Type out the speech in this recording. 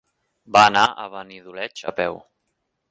Va anar a Benidoleig a peu.